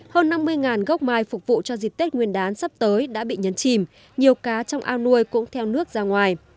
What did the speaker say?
hơn năm mươi gốc mai phục vụ cho dịp tết nguyên đán sắp tới đã bị nhấn chìm nhiều cá trong ao nuôi cũng theo nước ra ngoài